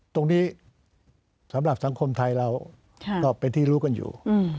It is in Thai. ตรงนี้สำหรับสังคมไทยเราก็เป็นที่รู้กันอยู่